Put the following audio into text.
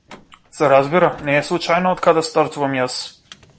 Се разбира, не е случајно од каде стартувам јас.